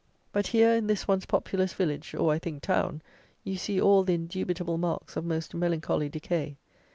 But here, in this once populous village, or I think town, you see all the indubitable marks of most melancholy decay.